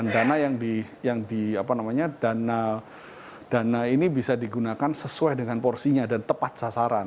dan dana ini bisa digunakan sesuai dengan porsinya dan tepat sasaran